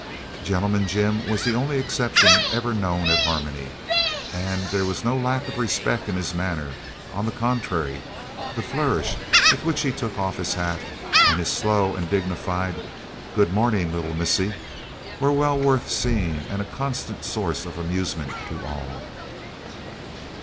Gentleman Jim was the only exception ever known at Harmony, and there was no lack of respect in his manner; on the contrary, the flourish with which he took off his hat and his slow and dignified, "Good morning, little missie," were well worth seeing and a constant source of amusement to all.